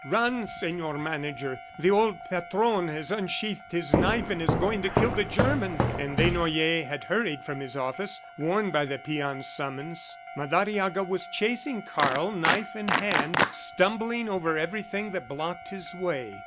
"Run, Senor Manager, the old Patron has unsheathed his knife and is going to kill the German!" And Desnoyers had hurried from his office, warned by the peon's summons. Madariaga was chasing Karl, knife in hand, stumbling over everything that blocked his way.